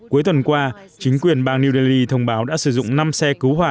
cuối tuần qua chính quyền bang new delhi thông báo đã sử dụng năm xe cứu hỏa